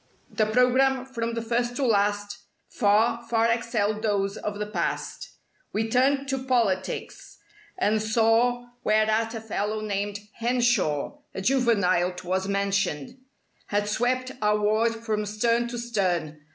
The program from the first to last Far, far excelled those of the past. We turned to "Politics," and saw Whereat a fellow named Henshaw (A juvenile 'twas mentioned) Had swept our ward from stem to stern.